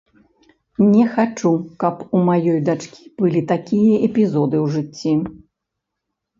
Не хачу, каб у маёй дачкі былі такія эпізоды ў жыцці.